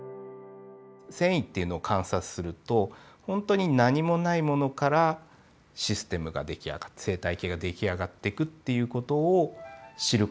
遷移っていうのを観察すると本当に何もないものからシステムが出来上がって生態系が出来上がってくっていう事を知る事ができる。